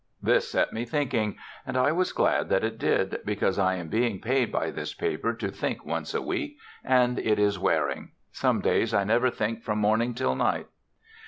This set me thinking; and I was glad that it did, because I am being paid by this paper to think once a week, and it is wearing. Some days I never think from morning till night.